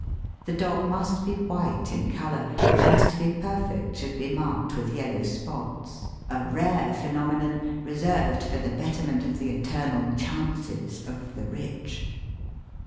The dog must be white in colour, and to be perfect should be marked with yellow spots — a rare phenomenon reserved for the betterment of the eternal chances of the rich.